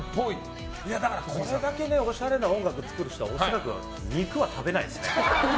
これだけおしゃれな音楽を作る人は恐らく肉は食べないですね。